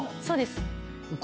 そうです。